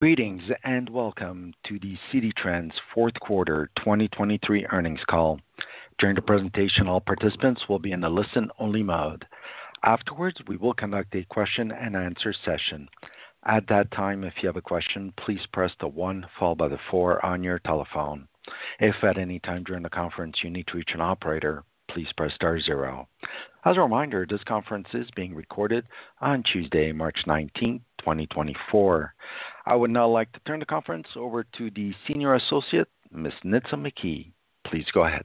Greetings, and welcome to the Citi Trends Fourth Quarter 2023 Earnings Call. During the presentation, all participants will be in a listen-only mode. Afterwards, we will conduct a question-and-answer session. At that time, if you have a question, please press the one followed by the four on your telephone. If at any time during the conference you need to reach an operator, please press star zero. As a reminder, this conference is being recorded on Tuesday, March 19, 2024. I would now like to turn the conference over to the Senior Associate, Ms. Nitza McKee. Please go ahead.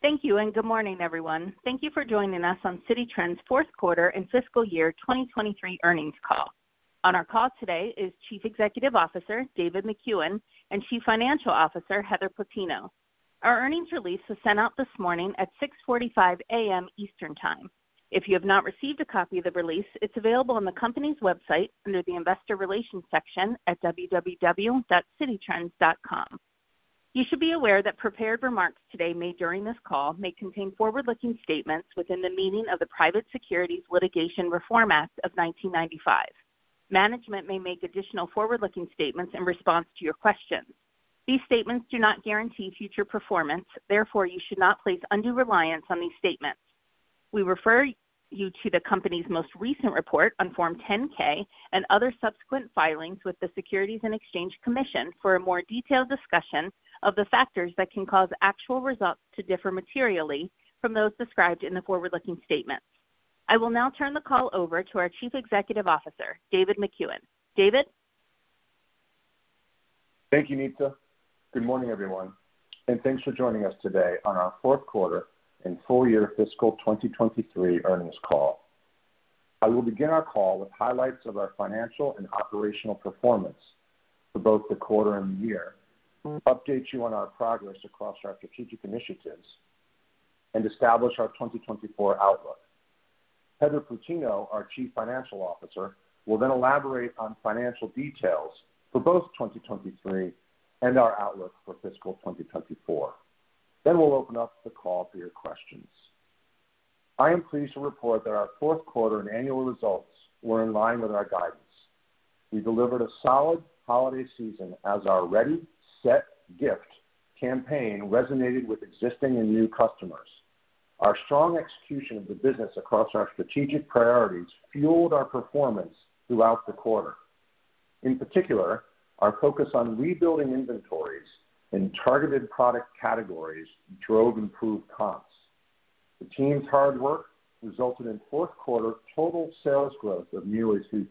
Thank you, and good morning, everyone. Thank you for joining us on Citi Trends' fourth quarter and fiscal year 2023 earnings call. On our call today is Chief Executive Officer, David Makuen, and Chief Financial Officer, Heather Plutino. Our earnings release was sent out this morning at 6:45 A.M. Eastern Time. If you have not received a copy of the release, it's available on the company's website under the Investor Relations section at www.cititrends.com. You should be aware that prepared remarks today made during this call may contain forward-looking statements within the meaning of the Private Securities Litigation Reform Act of 1995. Management may make additional forward-looking statements in response to your questions. These statements do not guarantee future performance, therefore, you should not place undue reliance on these statements. We refer you to the company's most recent report on Form 10-K and other subsequent filings with the Securities and Exchange Commission for a more detailed discussion of the factors that can cause actual results to differ materially from those described in the forward-looking statements. I will now turn the call over to our Chief Executive Officer, David Makuen. David? Thank you, Nitza. Good morning, everyone, and thanks for joining us today on our fourth quarter and full-year fiscal 2023 earnings call. I will begin our call with highlights of our financial and operational performance for both the quarter and the year, update you on our progress across our strategic initiatives, and establish our 2024 outlook. Heather Plutino, our Chief Financial Officer, will then elaborate on financial details for both 2023 and our outlook for fiscal 2024. Then we'll open up the call for your questions. I am pleased to report that our fourth quarter and annual results were in line with our guidance. We delivered a solid holiday season as our Ready, Set, Gift campaign resonated with existing and new customers. Our strong execution of the business across our strategic priorities fueled our performance throughout the quarter. In particular, our focus on rebuilding inventories in targeted product categories drove improved comps. The team's hard work resulted in fourth quarter total sales growth of nearly 3%,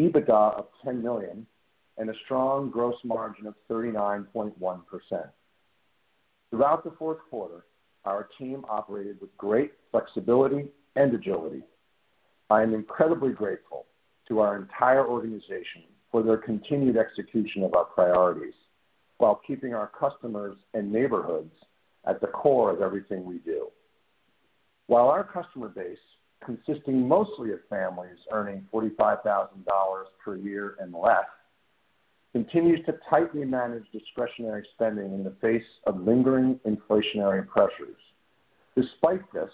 EBITDA of $10 million, and a strong gross margin of 39.1%. Throughout the fourth quarter, our team operated with great flexibility and agility. I am incredibly grateful to our entire organization for their continued execution of our priorities, while keeping our customers and neighborhoods at the core of everything we do. While our customer base, consisting mostly of families earning $45,000 per year and less, continues to tightly manage discretionary spending in the face of lingering inflationary pressures. Despite this,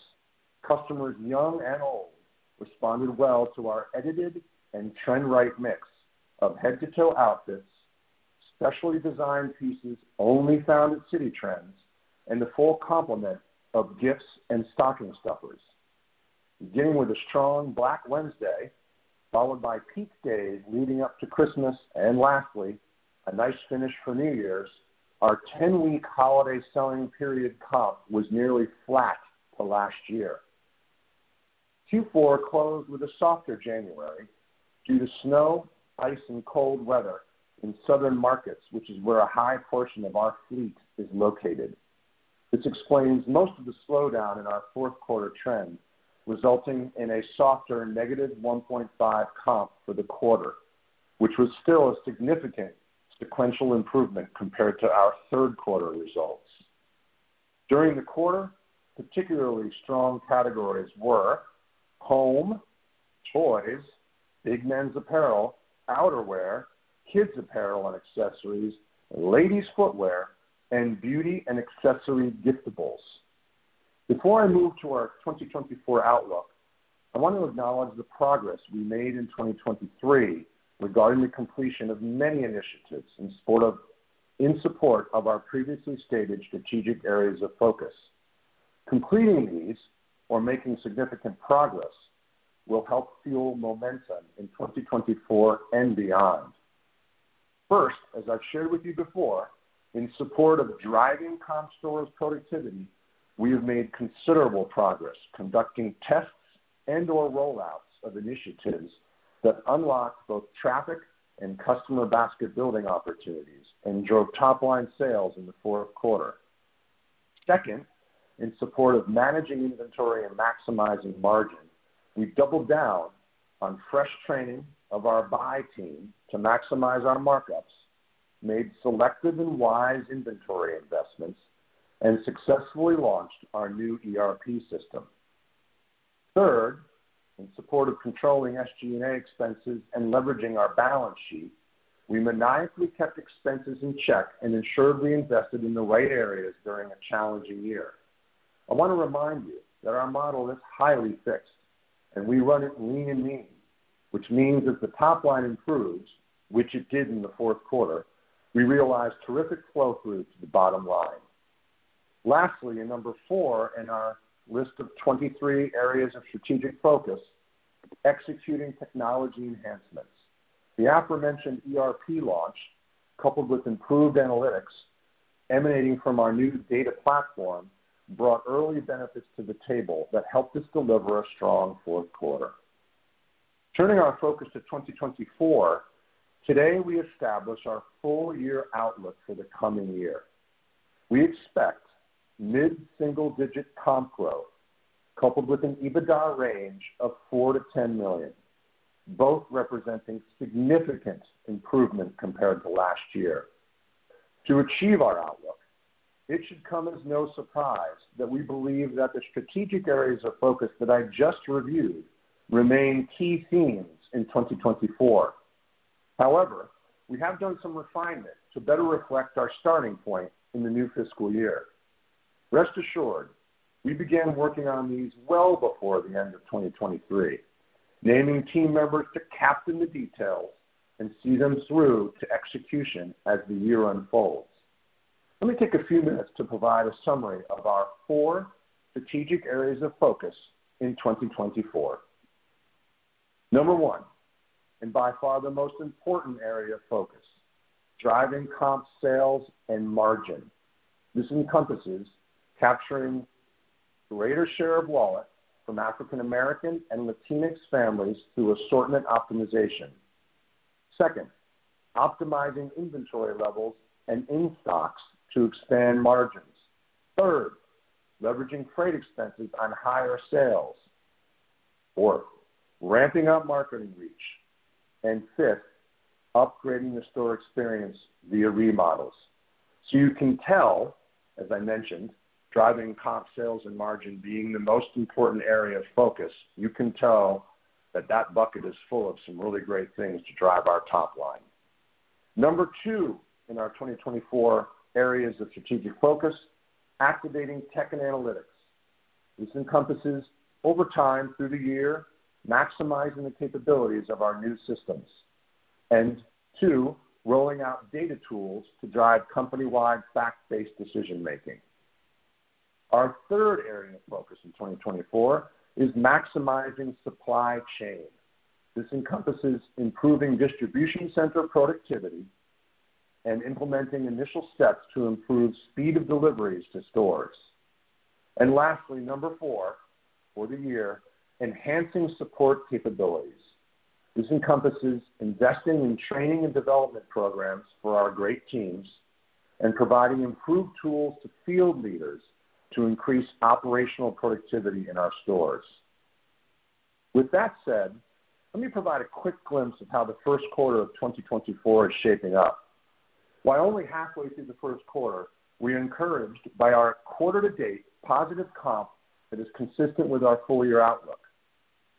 customers, young and old, responded well to our edited and trend right mix of head-to-toe outfits, specially designed pieces only found at Citi Trends, and the full complement of gifts and stocking stuffers. Beginning with a strong Black Wednesday, followed by peak days leading up to Christmas, and lastly, a nice finish for New Year's, our 10-week holiday selling period comp was nearly flat to last year. Q4 closed with a softer January due to snow, ice, and cold weather in Southern markets, which is where a high portion of our fleet is located. This explains most of the slowdown in our fourth quarter trends, resulting in a softer -1.5 comp for the quarter, which was still a significant sequential improvement compared to our third quarter results. During the quarter, particularly strong categories were home, toys, big men's apparel, outerwear, kids' apparel and accessories, ladies' footwear, and beauty and accessory giftables. Before I move to our 2024 outlook, I want to acknowledge the progress we made in 2023 regarding the completion of many initiatives in support of, in support of our previously stated strategic areas of focus. Completing these or making significant progress will help fuel momentum in 2024 and beyond. First, as I've shared with you before, in support of driving comp stores productivity, we have made considerable progress conducting tests and/or rollouts of initiatives that unlock both traffic and customer basket building opportunities and drove top-line sales in the fourth quarter. Second, in support of managing inventory and maximizing margin, we've doubled down on fresh training of our buy team to maximize our markups, made selective and wise inventory investments, and successfully launched our new ERP system. Third, in support of controlling SG&A expenses and leveraging our balance sheet, we maniacally kept expenses in check and ensured we invested in the right areas during a challenging year. I wanna remind you that our model is highly fixed, and we run it lean and mean, which means if the top line improves, which it did in the fourth quarter, we realize terrific flow through to the bottom line. Lastly, and number four in our list of 23 areas of strategic focus, executing technology enhancements. The aforementioned ERP launch, coupled with improved analytics emanating from our new data platform, brought early benefits to the table that helped us deliver a strong fourth quarter. Turning our focus to 2024, today, we establish our full-year outlook for the coming year. We expect mid-single-digit comp growth, coupled with an EBITDA range of $4-$10 million, both representing significant improvement compared to last year. To achieve our outlook, it should come as no surprise that we believe that the strategic areas of focus that I just reviewed remain key themes in 2024. However, we have done some refinement to better reflect our starting point in the new fiscal year. Rest assured, we began working on these well before the end of 2023, naming team members to captain the details and see them through to execution as the year unfolds. Let me take a few minutes to provide a summary of our 4 strategic areas of focus in 2024. Number one, and by far the most important area of focus, driving comp sales and margin. This encompasses capturing greater share of wallet from African American and Latinx families through assortment optimization. Second, optimizing inventory levels and in-stocks to expand margins. Third, leveraging freight expenses on higher sales. Fourth, ramping up marketing reach. And fifth, upgrading the store experience via remodels. So you can tell, as I mentioned, driving comp sales and margin being the most important area of focus, you can tell that that bucket is full of some really great things to drive our top line. Number two in our 2024 areas of strategic focus, activating tech and analytics. This encompasses over time, through the year, maximizing the capabilities of our new systems, and two, rolling out data tools to drive company-wide, fact-based decision making. Our third area of focus in 2024 is maximizing supply chain. This encompasses improving distribution center productivity and implementing initial steps to improve speed of deliveries to stores. And lastly, number four, for the year, enhancing support capabilities. This encompasses investing in training and development programs for our great teams and providing improved tools to field leaders to increase operational productivity in our stores. With that said, let me provide a quick glimpse of how the first quarter of 2024 is shaping up. While only halfway through the first quarter, we are encouraged by our quarter-to-date positive comp that is consistent with our full-year outlook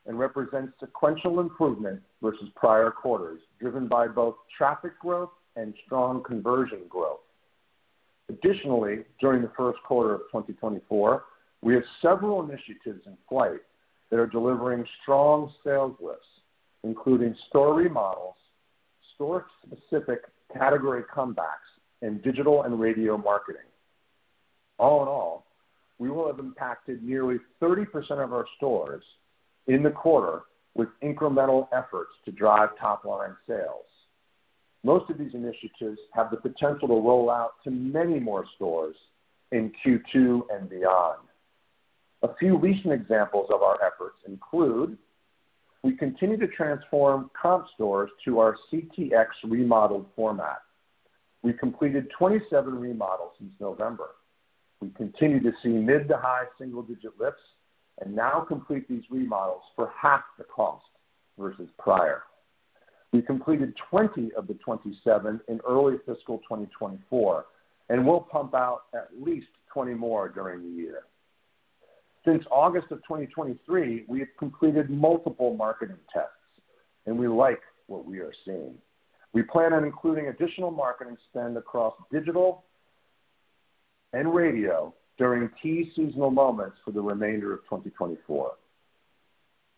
and represents sequential improvement versus prior quarters, driven by both traffic growth and strong conversion growth. Additionally, during the first quarter of 2024, we have several initiatives in flight that are delivering strong sales lifts, including store remodels, store-specific category comebacks, and digital and radio marketing. All in all, we will have impacted nearly 30% of our stores in the quarter with incremental efforts to drive top-line sales. Most of these initiatives have the potential to roll out to many more stores in Q2 and beyond. A few recent examples of our efforts include: we continue to transform comp stores to our CTX remodeled format. We completed 27 remodels since November. We continue to see mid to high single-digit lifts and now complete these remodels for half the cost versus prior. We completed 20 of the 27 in early fiscal 2024, and we'll pump out at least 20 more during the year. Since August of 2023, we have completed multiple marketing tests, and we like what we are seeing. We plan on including additional marketing spend across digital and radio during key seasonal moments for the remainder of 2024.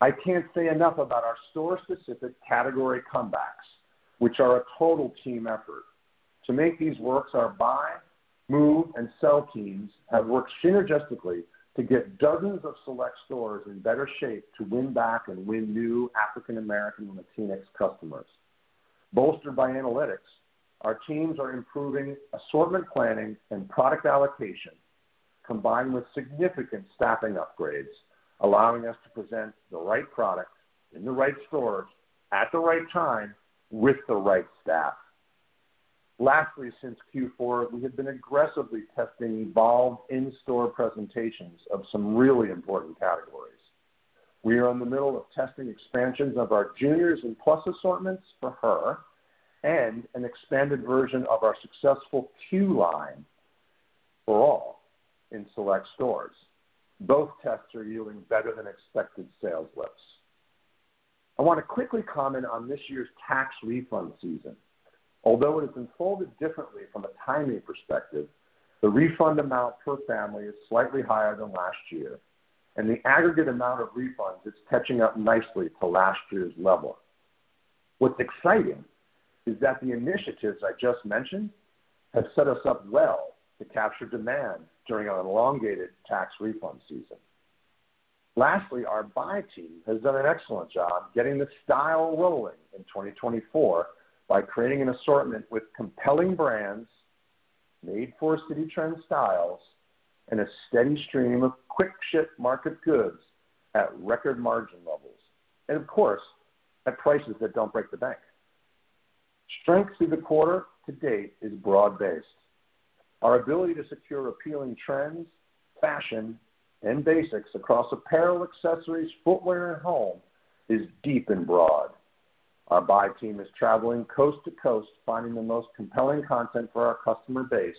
I can't say enough about our store-specific category comebacks, which are a total team effort. To make these work, our buy, move, and sell teams have worked synergistically to get dozens of select stores in better shape to win back and win new African American and Latinx customers. Bolstered by analytics, our teams are improving assortment planning and product allocation, combined with significant staffing upgrades, allowing us to present the right products in the right stores at the right time with the right staff. Lastly, since Q4, we have been aggressively testing evolved in-store presentations of some really important categories. We are in the middle of testing expansions of our juniors and plus assortments for her and an expanded version of our successful Q line for all in select stores. Both tests are yielding better than expected sales lifts. I wanna quickly comment on this year's tax refund season. Although it has unfolded differently from a timing perspective, the refund amount per family is slightly higher than last year, and the aggregate amount of refunds is catching up nicely to last year's level. What's exciting is that the initiatives I just mentioned have set us up well to capture demand during an elongated tax refund season. Lastly, our buy team has done an excellent job getting the style rolling in 2024 by creating an assortment with compelling brands, made for Citi Trends styles, and a steady stream of quick ship market goods at record margin levels, and of course, at prices that don't break the bank. Strength through the quarter to date is broad-based. Our ability to secure appealing trends, fashion, and basics across apparel, accessories, footwear, and home is deep and broad. Our buy team is traveling coast to coast, finding the most compelling content for our customer base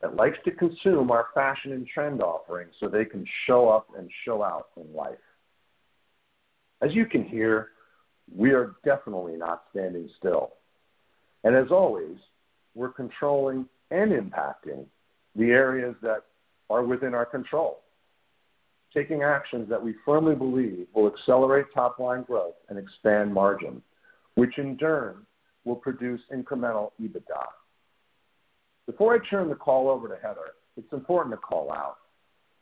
that likes to consume our fashion and trend offerings so they can show up and show out in life. As you can hear, we are definitely not standing still. As always, we're controlling and impacting the areas that are within our control, taking actions that we firmly believe will accelerate top line growth and expand margin, which in turn will produce incremental EBITDA. Before I turn the call over to Heather, it's important to call out,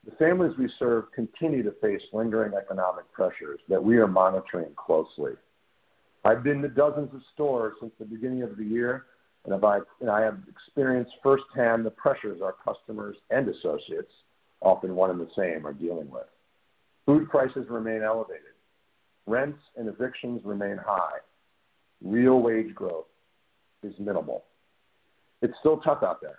the families we serve continue to face lingering economic pressures that we are monitoring closely. I've been to dozens of stores since the beginning of the year, and I have experienced firsthand the pressures our customers and associates, often one and the same, are dealing with. Food prices remain elevated, rents and evictions remain high, real wage growth is minimal. It's still tough out there.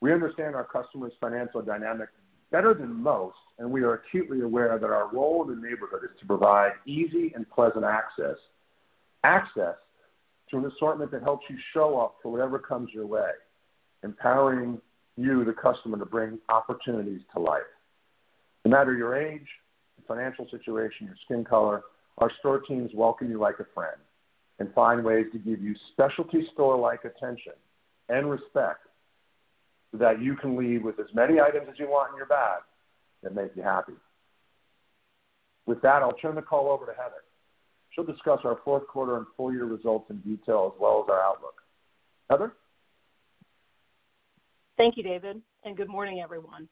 We understand our customers' financial dynamic better than most, and we are acutely aware that our role in the neighborhood is to provide easy and pleasant access, access to an assortment that helps you show up for whatever comes your way, empowering you, the customer, to bring opportunities to life. No matter your age, your financial situation, your skin color, our store teams welcome you like a friend and find ways to give you specialty store-like attention and respect so that you can leave with as many items as you want in your bag that make you happy. With that, I'll turn the call over to Heather. She'll discuss our fourth quarter and full-year results in detail, as well as our outlook. Heather? Thank you, David, and good morning, everyone.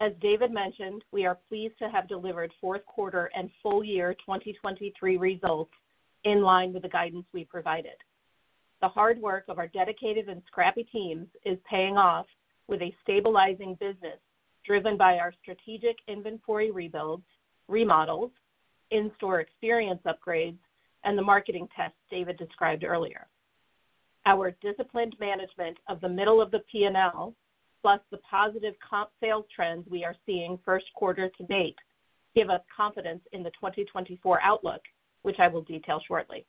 As David mentioned, we are pleased to have delivered fourth quarter and full-year 2023 results in line with the guidance we provided. The hard work of our dedicated and scrappy teams is paying off with a stabilizing business, driven by our strategic inventory rebuild, remodels, in-store experience upgrades, and the marketing tests David described earlier. Our disciplined management of the middle of the P&L, plus the positive comp sales trends we are seeing first quarter to date, give us confidence in the 2024 outlook, which I will detail shortly.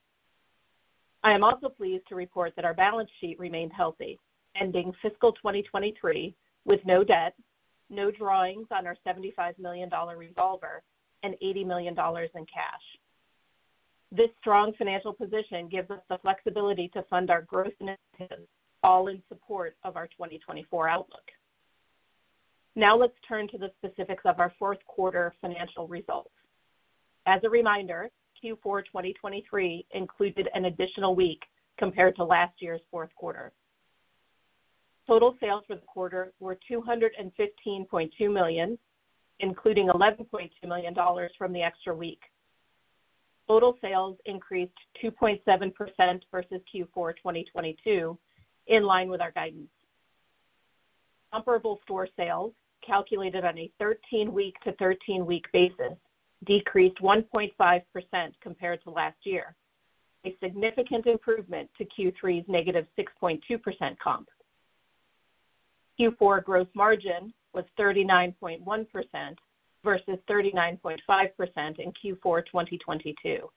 I am also pleased to report that our balance sheet remains healthy, ending fiscal 2023 with no debt, no drawings on our $75 million revolver, and $80 million in cash. This strong financial position gives us the flexibility to fund our growth initiatives, all in support of our 2024 outlook. Now, let's turn to the specifics of our fourth quarter financial results. As a reminder, Q4 2023 included an additional week compared to last year's fourth quarter. Total sales for the quarter were $215.2 million, including $11.2 million from the extra week. Total sales increased 2.7% versus Q4 2022, in line with our guidance. Comparable store sales, calculated on a 13-week to 13-week basis, decreased 1.5% compared to last year, a significant improvement to Q3's negative 6.2% comp. Q4 gross margin was 39.1% versus 39.5% in Q4 2022.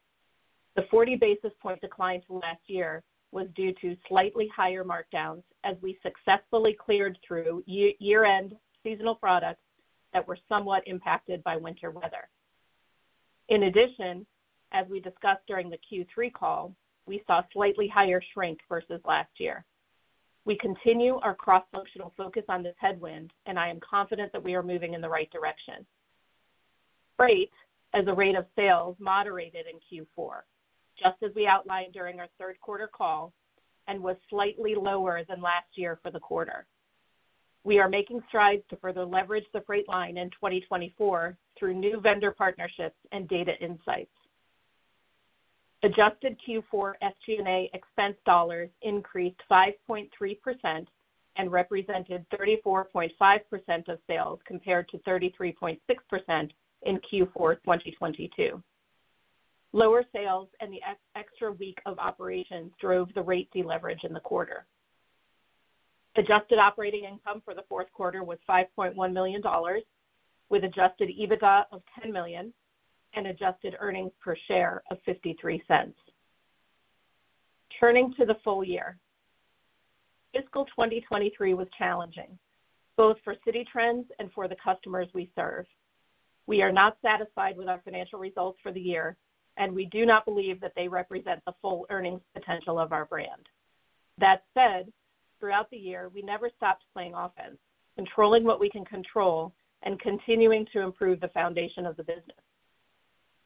The 40 basis points decline from last year was due to slightly higher markdowns as we successfully cleared through year-end seasonal products that were somewhat impacted by winter weather. In addition, as we discussed during the Q3 call, we saw slightly higher shrink versus last year. We continue our cross-functional focus on this headwind, and I am confident that we are moving in the right direction. Freight, as a rate of sales, moderated in Q4, just as we outlined during our third quarter call, and was slightly lower than last year for the quarter. We are making strides to further leverage the freight line in 2024 through new vendor partnerships and data insights. Adjusted Q4 SG&A expense dollars increased 5.3% and represented 34.5% of sales, compared to 33.6% in Q4 2022. Lower sales and the extra week of operations drove the rate deleverage in the quarter. Adjusted operating income for the fourth quarter was $5.1 million, with adjusted EBITDA of $10 million and adjusted earnings per share of $0.53. Turning to the full-year. Fiscal 2023 was challenging, both for Citi Trends and for the customers we serve. We are not satisfied with our financial results for the year, and we do not believe that they represent the full earnings potential of our brand. That said, throughout the year, we never stopped playing offense, controlling what we can control and continuing to improve the foundation of the business.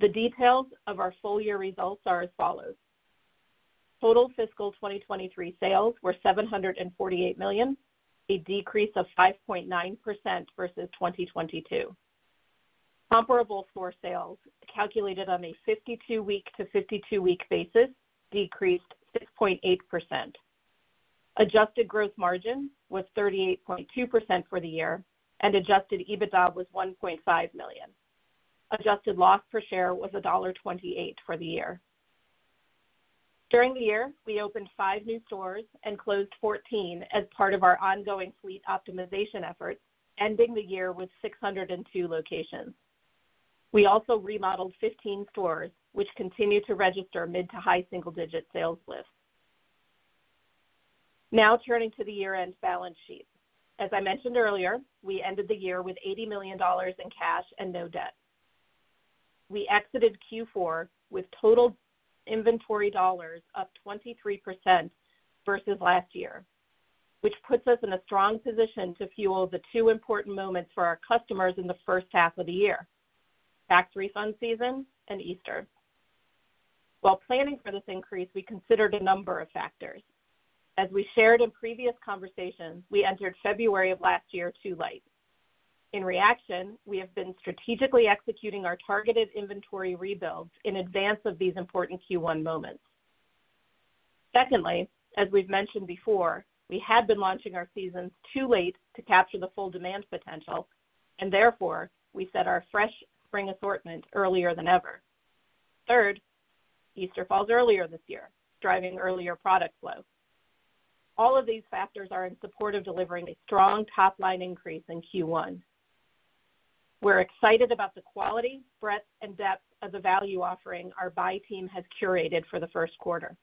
The details of our full-year results are as follows: Total fiscal 2023 sales were $748 million, a decrease of 5.9% versus 2022. Comparable store sales, calculated on a 52-week to 52-week basis, decreased 6.8%. Adjusted gross margin was 38.2% for the year, and adjusted EBITDA was $1.5 million. Adjusted loss per share was $1.28 for the year. During the year, we opened five new stores and closed 14 as part of our ongoing fleet optimization efforts, ending the year with 602 locations. We also remodeled 15 stores, which continued to register mid- to high-single-digit sales lifts. Now, turning to the year-end balance sheet. As I mentioned earlier, we ended the year with $80 million in cash and no debt. We exited Q4 with total inventory dollars up 23% versus last year, which puts us in a strong position to fuel the two important moments for our customers in the first half of the year, tax refund season and Easter. While planning for this increase, we considered a number of factors. As we shared in previous conversations, we entered February of last year too light. In reaction, we have been strategically executing our targeted inventory rebuilds in advance of these important Q1 moments. Secondly, as we've mentioned before, we had been launching our seasons too late to capture the full demand potential, and therefore, we set our fresh spring assortment earlier than ever. Third, Easter falls earlier this year, driving earlier product flow. All of these factors are in support of delivering a strong top line increase in Q1. We're excited about the quality, breadth, and depth of the value offering our buy team has curated for the first quarter.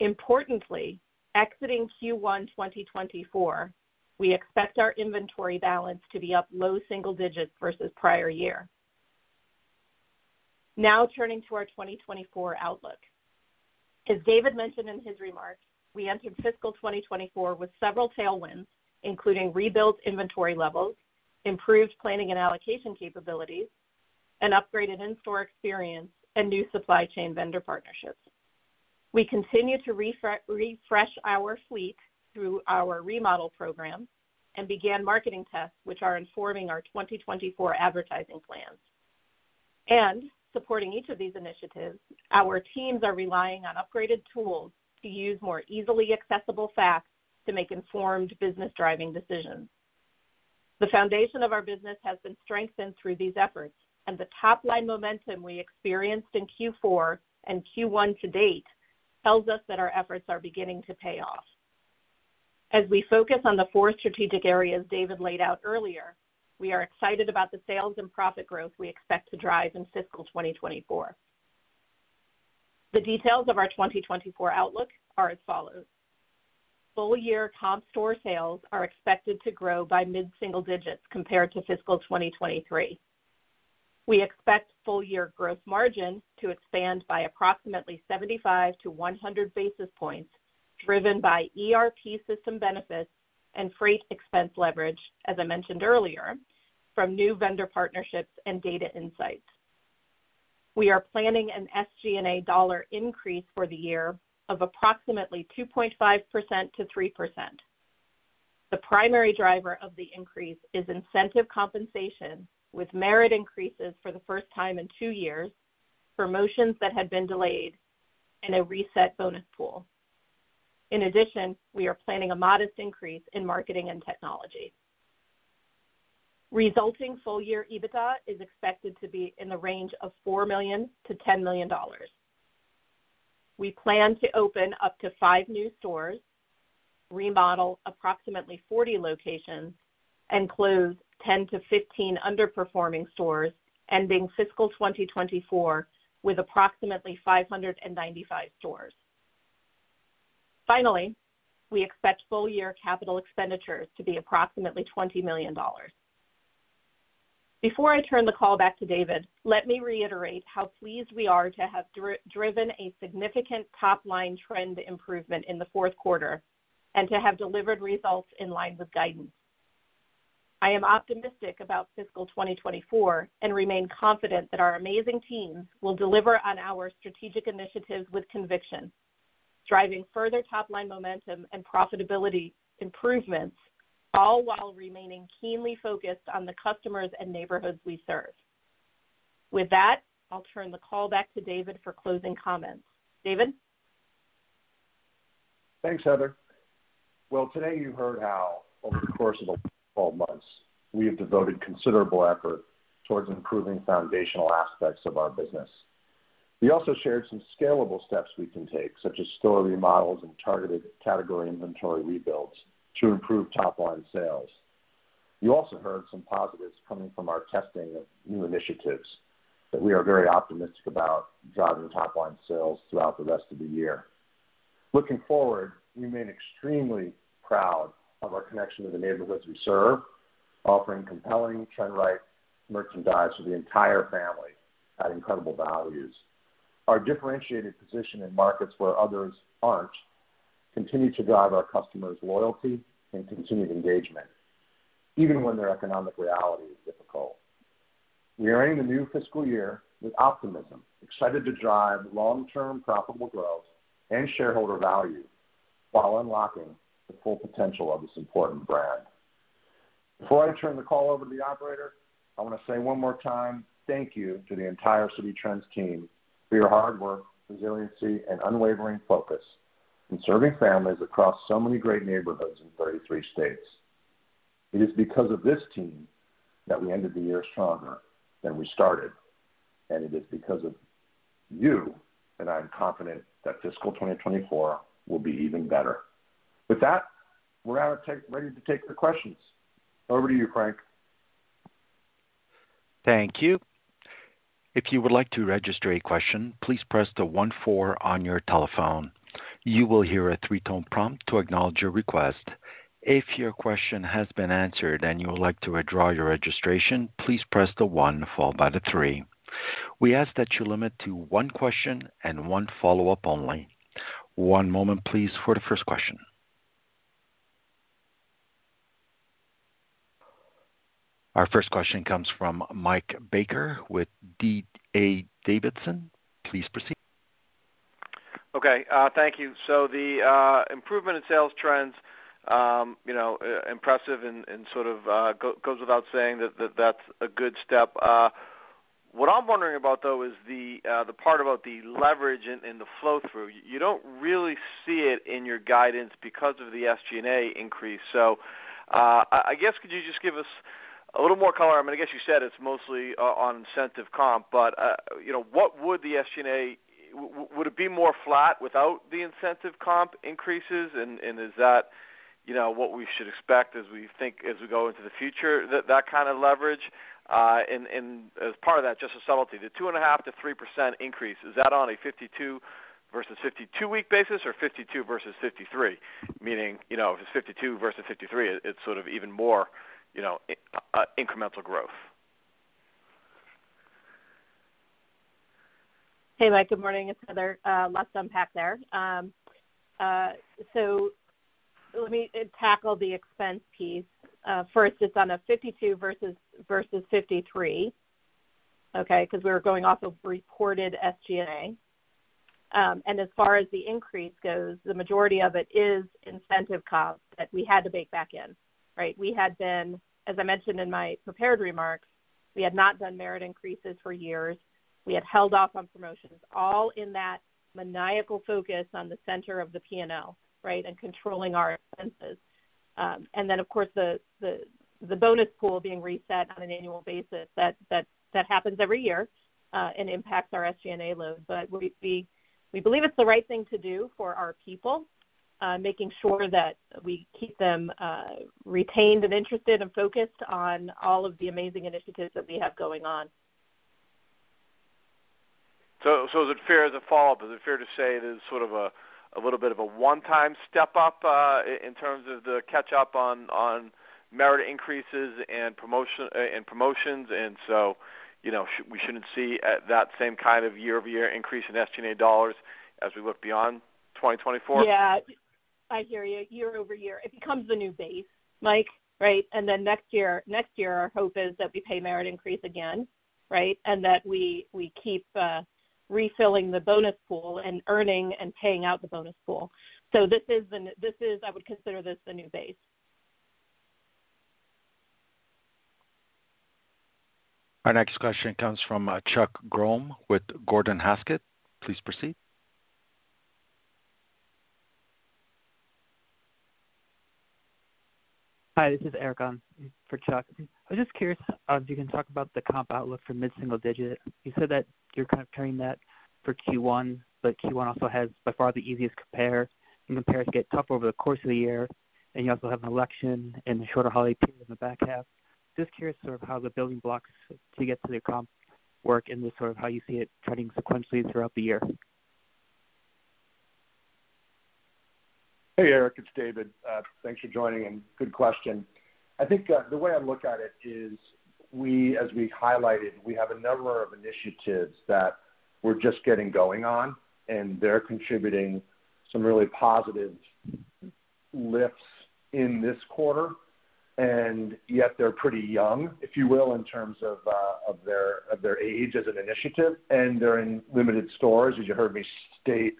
Importantly, exiting Q1 2024, we expect our inventory balance to be up low single digits versus prior year. Now, turning to our 2024 outlook. As David mentioned in his remarks, we entered fiscal 2024 with several tailwinds, including rebuilt inventory levels, improved planning and allocation capabilities, an upgraded in-store experience, and new supply chain vendor partnerships. We continued to refresh our fleet through our remodel program and began marketing tests, which are informing our 2024 advertising plans. And supporting each of these initiatives, our teams are relying on upgraded tools to use more easily accessible facts to make informed business driving decisions. The foundation of our business has been strengthened through these efforts, and the top line momentum we experienced in Q4 and Q1 to date tells us that our efforts are beginning to pay off. As we focus on the four strategic areas David laid out earlier, we are excited about the sales and profit growth we expect to drive in fiscal 2024. The details of our 2024 outlook are as follows: Full-year comp store sales are expected to grow by mid-single digits compared to fiscal 2023. We expect full-year gross margin to expand by approximately 75-100 basis points, driven by ERP system benefits and freight expense leverage, as I mentioned earlier, from new vendor partnerships and data insights. We are planning an SG&A dollar increase for the year of approximately 2.5%-3%. The primary driver of the increase is incentive compensation, with merit increases for the first time in two years, promotions that had been delayed, and a reset bonus pool. In addition, we are planning a modest increase in marketing and technology. Resulting full-year EBITDA is expected to be in the range of $4-$10 million. We plan to open up to 5 new stores, remodel approximately 40 locations, and close 10-15 underperforming stores, ending fiscal 2024 with approximately 595 stores. Finally, we expect full-year capital expenditures to be approximately $20 million. Before I turn the call back to David, let me reiterate how pleased we are to have driven a significant top line trend improvement in the fourth quarter and to have delivered results in line with guidance. I am optimistic about fiscal 2024 and remain confident that our amazing team will deliver on our strategic initiatives with conviction, driving further top line momentum and profitability improvements, all while remaining keenly focused on the customers and neighborhoods we serve. With that, I'll turn the call back to David for closing comments. David? Thanks, Heather. Well, today you heard how over the course of the 12 months, we have devoted considerable effort towards improving foundational aspects of our business. We also shared some scalable steps we can take, such as store remodels and targeted category inventory rebuilds, to improve top line sales. You also heard some positives coming from our testing of new initiatives that we are very optimistic about driving top-line sales throughout the rest of the year. Looking forward, we remain extremely proud of our connection to the neighborhoods we serve, offering compelling, trend-right merchandise for the entire family at incredible values. Our differentiated position in markets where others aren't, continue to drive our customers' loyalty and continued engagement, even when their economic reality is difficult. We are in a new fiscal year with optimism, excited to drive long-term profitable growth and shareholder value while unlocking the full potential of this important brand. Before I turn the call over to the operator, I want to say one more time, thank you to the entire Citi Trends team for your hard work, resiliency, and unwavering focus in serving families across so many great neighborhoods in 33 states. It is because of this team that we ended the year stronger than we started, and it is because of you, and I'm confident that fiscal 2024 will be even better. With that, we're now ready to take the questions. Over to you, Frank. Thank you. If you would like to register a question, please press the one four on your telephone. You will hear a three-tone prompt to acknowledge your request. If your question has been answered and you would like to withdraw your registration, please press the one, followed by the three. We ask that you limit to one question and one follow-up only. One moment, please, for the first question. Our first question comes from Mike Baker with D.A. Davidson. Please proceed. Okay, thank you. So the improvement in sales trends, you know, impressive and sort of goes without saying that that's a good step. What I'm wondering about, though, is the part about the leverage and the flow-through. You don't really see it in your guidance because of the SG&A increase. So, I guess, could you just give us a little more color? I mean, I guess you said it's mostly on incentive comp, but you know, what would the SG&A. Would it be more flat without the incentive comp increases? And is that, you know, what we should expect as we think as we go into the future, that kind of leverage? And as part of that, just a subtlety, the 2.5%-3% increase, is that on a 52 versus 52 week basis or 52 versus 53? Meaning, you know, if it's 52 versus 53, it's sort of even more, you know, incremental growth. Hey, Mike, good morning. It's Heather. Lots to unpack there. So let me tackle the expense piece. First, it's on a 52 versus 53, okay? Because we're going off of reported SG&A. As far as the increase goes, the majority of it is incentive costs that we had to bake back in, right? We had been, as I mentioned in my prepared remarks, we had not done merit increases for years. We had held off on promotions, all in that maniacal focus on the center of the P&L, right? And controlling our expenses. Then, of course, the bonus pool being reset on an annual basis, that happens every year, and impacts our SG&A load. But we believe it's the right thing to do for our people, making sure that we keep them retained and interested and focused on all of the amazing initiatives that we have going on. So, is it fair as a follow-up, is it fair to say it is sort of a little bit of a one-time step up in terms of the catch up on merit increases and promotions, and so, you know, we shouldn't see that same kind of year-over-year increase in SG&A dollars as we look beyond 2024? Yeah, I hear you. Year-over-year, it becomes the new base, Mike, right? And then next year, next year, our hope is that we pay merit increase again, right? And that we, we keep refilling the bonus pool and earning and paying out the bonus pool. So this is the - this is, I would consider this the new base. Our next question comes from Chuck Grom with Gordon Haskett. Please proceed. Hi, this is Eric on for Chuck. I was just curious if you can talk about the comp outlook for mid-single digit. You said that you're kind of carrying that for Q1, but Q1 also has by far the easiest compare. The compares get tougher over the course of the year, and you also have an election and a shorter holiday period in the back half. Just curious sort of how the building blocks to get to the comp work and the sort of how you see it trending sequentially throughout the year. Hey, Eric, it's David. Thanks for joining and good question. I think, the way I look at it is we, as we highlighted, we have a number of initiatives that we're just getting going on, and they're contributing some really positive lifts in this quarter, and yet they're pretty young, if you will, in terms of, of their age as an initiative, and they're in limited stores. As you heard me state,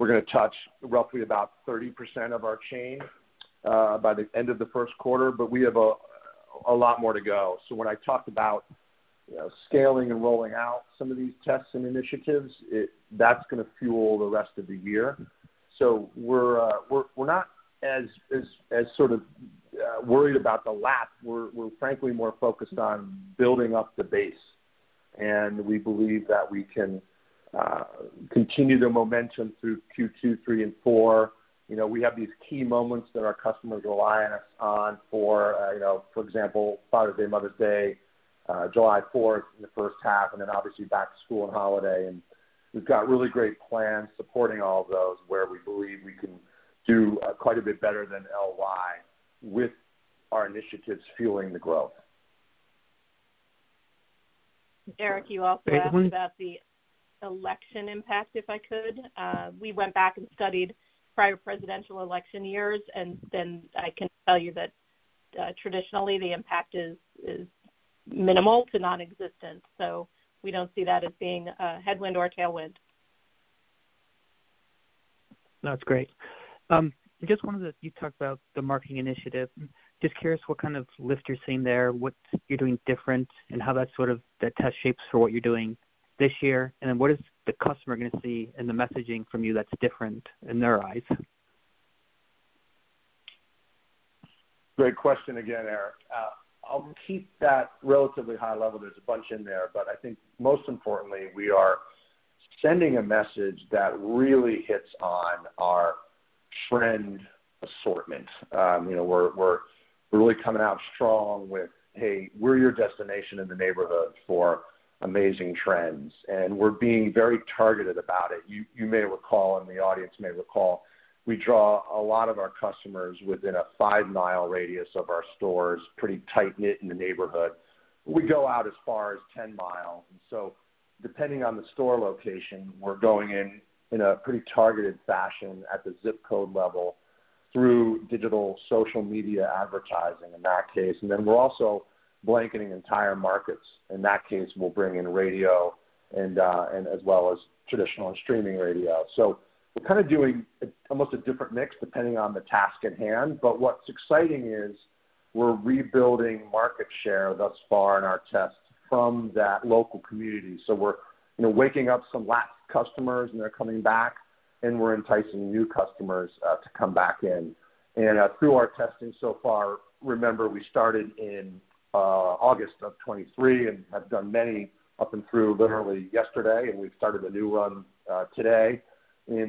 we're gonna touch roughly about 30% of our chain, by the end of the first quarter, but we have a lot more to go. So when I talked about, you know, scaling and rolling out some of these tests and initiatives, it, that's gonna fuel the rest of the year. So we're, we're not as sort of worried about the lap. We're, frankly, more focused on building up the base. We believe that we can continue the momentum through Q2, three, and four. You know, we have these key moments that our customers rely on us on for, you know, for example, Father's Day, Mother's Day, July Fourth in the first half, and then obviously back to school and holiday. We've got really great plans supporting all of those, where we believe we can do quite a bit better than LY with our initiatives fueling the growth. Eric, you also asked about the election impact, if I could. We went back and studied prior presidential election years, and then I can tell you that, traditionally, the impact is, is minimal to nonexistent, so we don't see that as being a headwind or a tailwind. That's great. You talked about the marketing initiative. Just curious what kind of lift you're seeing there, what you're doing different, and how that sort of, that test shapes for what you're doing this year? And then what is the customer gonna see in the messaging from you that's different in their eyes? Great question again, Eric. I'll keep that relatively high level. There's a bunch in there, but I think most importantly, we are sending a message that really hits on our trend assortment. You know, we're really coming out strong with, "Hey, we're your destination in the neighborhood for amazing trends," and we're being very targeted about it. You may recall, and the audience may recall, we draw a lot of our customers within a five-mile radius of our stores, pretty tight-knit in the neighborhood. We go out as far as 10-mile, and so depending on the store location, we're going in in a pretty targeted fashion at the ZIP code level through digital social media advertising in that case. And then we're also blanketing entire markets. In that case, we'll bring in radio and as well as traditional and streaming radio. So we're kind of doing almost a different mix depending on the task at hand. But what's exciting is we're rebuilding market share thus far in our tests from that local community. So we're, you know, waking up some lapsed customers, and they're coming back, and we're enticing new customers to come back in. And through our testing so far, remember, we started in August of 2023 and have done many up and through literally yesterday, and we've started a new run today in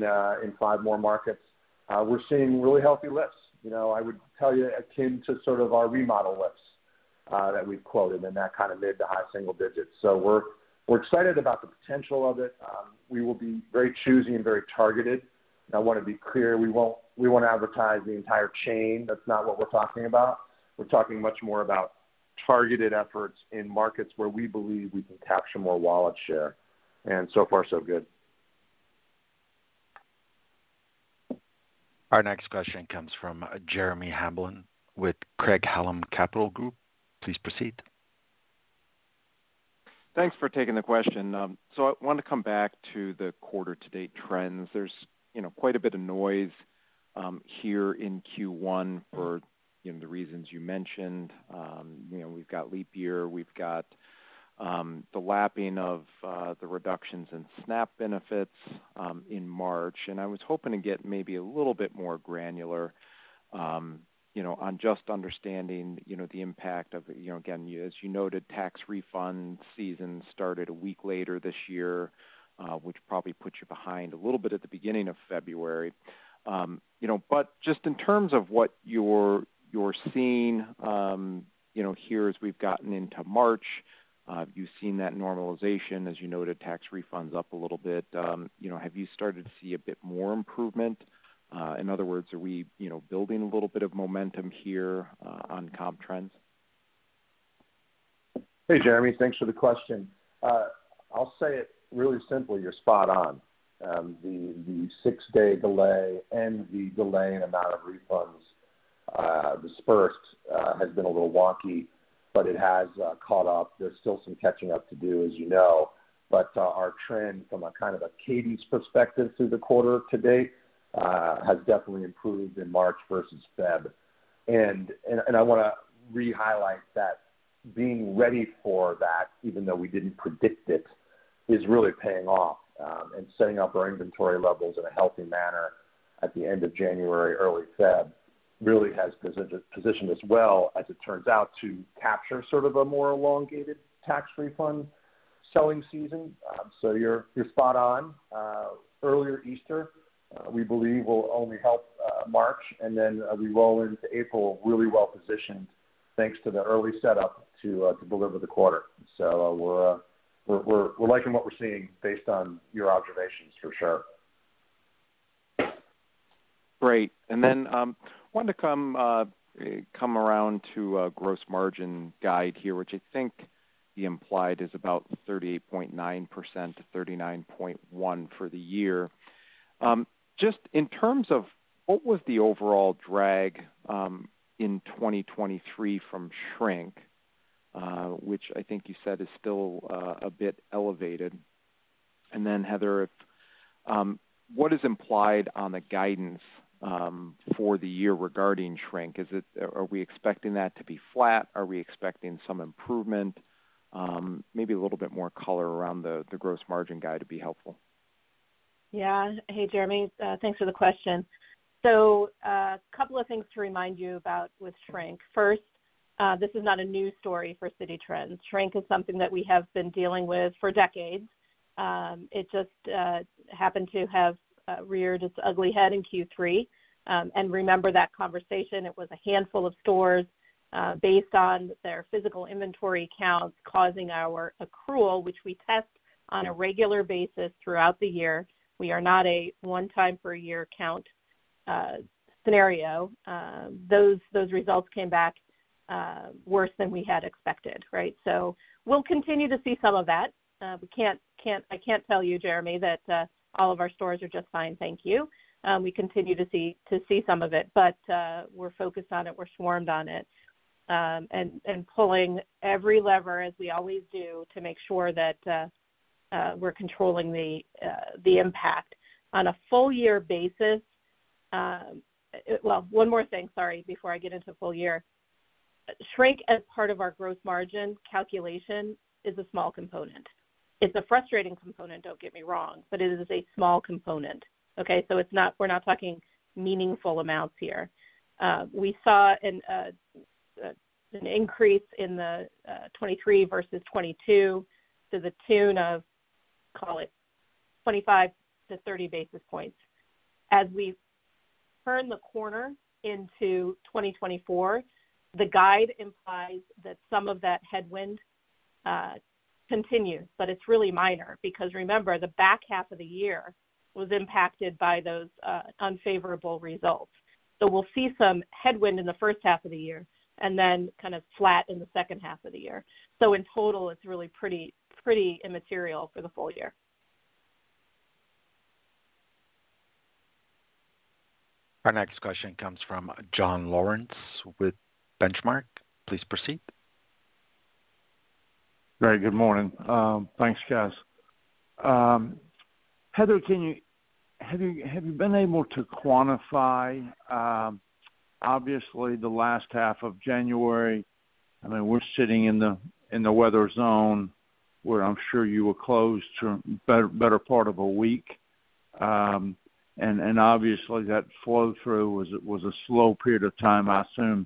five more markets. We're seeing really healthy lifts. You know, I would tell you, akin to sort of our remodel lifts that we've quoted, and that kind of mid- to high-single digits. So we're, we're excited about the potential of it. We will be very choosy and very targeted. I wanna be clear, we won't, we won't advertise the entire chain. That's not what we're talking about. We're talking much more about targeted efforts in markets where we believe we can capture more wallet share, and so far, so good. Our next question comes from Jeremy Hamblin with Craig-Hallum Capital Group. Please proceed. Thanks for taking the question. So I wanted to come back to the quarter-to-date trends. There's, you know, quite a bit of noise here in Q1 for, you know, the reasons you mentioned. You know, we've got leap year, we've got the lapping of the reductions in SNAP benefits in March, and I was hoping to get maybe a little bit more granular, you know, on just understanding, you know, the impact of, you know, again, as you noted, tax refund season started a week later this year, which probably put you behind a little bit at the beginning of February. You know, but just in terms of what you're, you're seeing, you know, here as we've gotten into March, have you seen that normalization? As you noted, tax refunds up a little bit. You know, have you started to see a bit more improvement? In other words, are we, you know, building a little bit of momentum here, on comp trends? Hey, Jeremy, thanks for the question. I'll say it really simply, you're spot on. The six-day delay and the delay in amount of refunds dispersed has been a little wonky, but it has caught up. There's still some catching up to do, as you know, but our trend from a kind of a cadence perspective through the quarter to date has definitely improved in March versus February. I wanna re-highlight that being ready for that, even though we didn't predict it, is really paying off. And setting up our inventory levels in a healthy manner at the end of January, early February, really has positioned us well, as it turns out, to capture sort of a more elongated tax refund selling season. So you're spot on. Earlier Easter, we believe, will only help March, and then as we roll into April, really well positioned, thanks to the early setup to deliver the quarter. So, we're liking what we're seeing based on your observations, for sure. Great. And then, wanted to come around to gross margin guide here, which I think the implied is about 38.9%-39.1% for the year. Just in terms of what was the overall drag in 2023 from shrink, which I think you said is still a bit elevated? And then, Heather, if what is implied on the guidance for the year regarding shrink? Is it, are we expecting that to be flat? Are we expecting some improvement? Maybe a little bit more color around the gross margin guide would be helpful. Yeah. Hey, Jeremy, thanks for the question. So, a couple of things to remind you about with shrink. First, this is not a new story for Citi Trends. Shrink is something that we have been dealing with for decades. It just happened to have reared its ugly head in Q3. And remember that conversation, it was a handful of stores based on their physical inventory counts, causing our accrual, which we test on a regular basis throughout the year. We are not a one-time-per-year count scenario. Those results came back worse than we had expected, right? So we'll continue to see some of that. We can't, I can't tell you, Jeremy, that all of our stores are just fine, thank you. We continue to see some of it, but we're focused on it, we're swarmed on it. And pulling every lever, as we always do, to make sure that we're controlling the impact. On a full-year basis, well, one more thing, sorry, before I get into full-year. Shrink, as part of our gross margin calculation, is a small component. It's a frustrating component, don't get me wrong, but it is a small component, okay? So it's not. We're not talking meaningful amounts here. We saw an increase in the 2023 versus 2022 to the tune of, call it, 25-30 basis points. As we turn the corner into 2024, the guide implies that some of that headwind continues, but it's really minor. Because remember, the back half of the year was impacted by those, unfavorable results. So we'll see some headwind in the first half of the year and then kind of flat in the second half of the year. So in total, it's really pretty, pretty immaterial for the full-year. Our next question comes from John Lawrence with Benchmark. Please proceed. Very good morning. Thanks, guys. Heather, can you? Have you been able to quantify, obviously, the last half of January? I mean, we're sitting in the weather zone, where I'm sure you were closed for better part of a week. And obviously, that flow-through was a slow period of time. I assume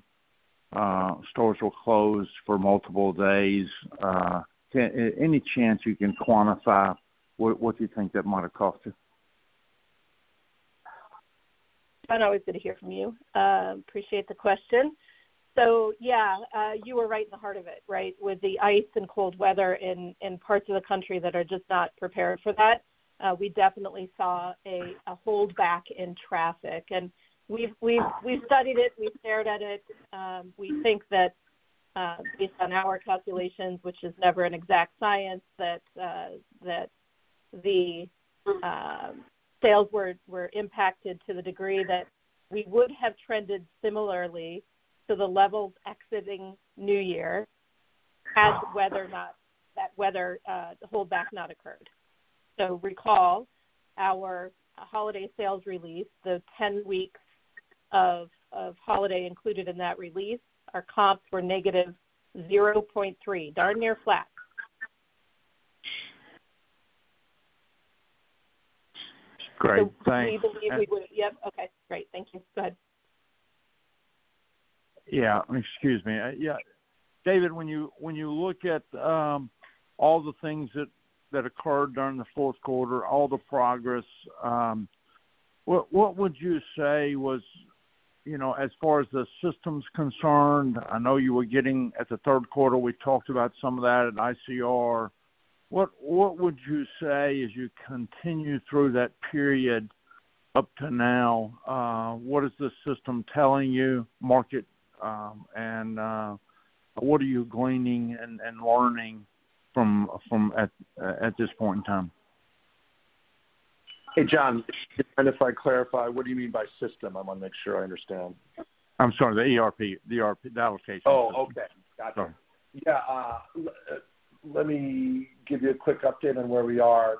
stores were closed for multiple days. Any chance you can quantify what you think that might have cost you? I'm always good to hear from you. Appreciate the question. So, yeah, you were right in the heart of it, right? With the ice and cold weather in parts of the country that are just not prepared for that, we definitely saw a holdback in traffic. And we've studied it, we've stared at it. We think that, based on our calculations, which is never an exact science, that the sales were impacted to the degree that we would have trended similarly to the levels exiting New Year, had whether or not that weather the holdback not occurred. So recall, our holiday sales release, the 10 weeks of holiday included in that release, our comps were negative 0.3%, darn near flat. Great. Thanks. Yep. Okay, great. Thank you. Go ahead. Yeah. Excuse me. Yeah, David, when you, when you look at all the things that, that occurred during the fourth quarter, all the progress, what, what would you say was, you know, as far as the system's concerned, I know you were getting. At the third quarter, we talked about some of that at ICR. What, what would you say as you continue through that period up to now, what is the system telling you, market, and what are you gleaning and, and learning from, from at, at this point in time? Hey, John, if I clarify, what do you mean by system? I wanna make sure I understand. I'm sorry, the ERP, the ERP, the allocation. Oh, okay. Gotcha. Yeah, let me give you a quick update on where we are,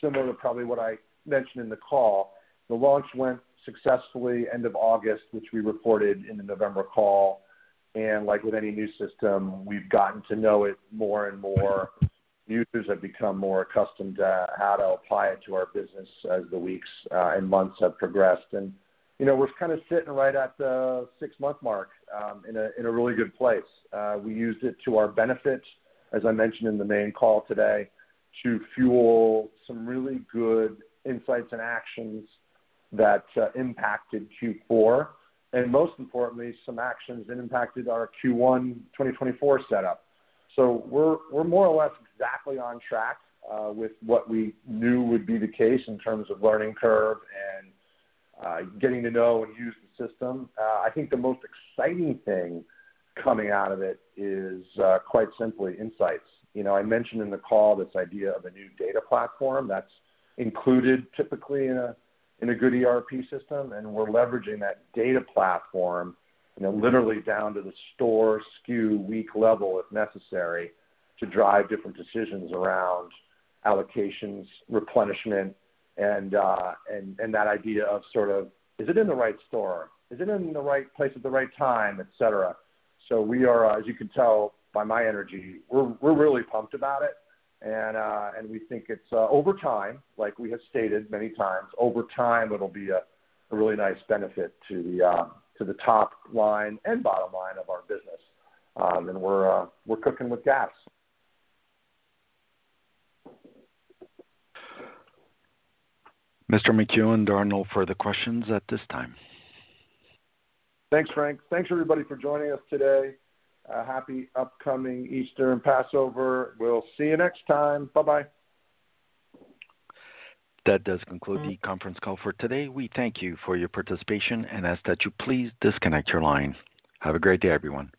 similar to probably what I mentioned in the call. The launch went successfully end of August, which we reported in the November call. And like with any new system, we've gotten to know it more and more. Users have become more accustomed to how to apply it to our business as the weeks and months have progressed. And, you know, we're kind of sitting right at the six-month mark in a really good place. We used it to our benefit, as I mentioned in the main call today, to fuel some really good insights and actions that impacted Q4, and most importantly, some actions that impacted our Q1 2024 setup. So we're more or less exactly on track with what we knew would be the case in terms of learning curve and getting to know and use the system. I think the most exciting thing coming out of it is quite simply insights. You know, I mentioned in the call this idea of a new data platform that's included typically in a good ERP system, and we're leveraging that data platform, you know, literally down to the store SKU week level, if necessary, to drive different decisions around allocations, replenishment, and that idea of sort of: Is it in the right store? Is it in the right place at the right time? Et cetera. So we are, as you can tell by my energy, we're really pumped about it. We think it's over time, like we have stated many times, over time, it'll be a really nice benefit to the top line and bottom line of our business. We're cooking with gas. Mr. Makuen, there are no further questions at this time. Thanks, Frank. Thanks, everybody, for joining us today. Happy upcoming Easter and Passover. We'll see you next time. Bye-bye. That does conclude the conference call for today. We thank you for your participation and ask that you please disconnect your lines. Have a great day, everyone.